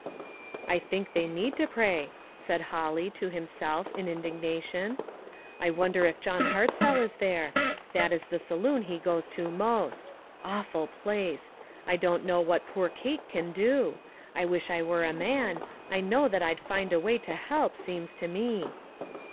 " I think they need to pray," said Holly, to himself, in indignation. "I wonder if John Hartzell is there ? That is the saloon he goes to most. Awful place ! I don't know what poor Kate can do. I wish I were a man ; I know that I'd find a way to help, seems to me."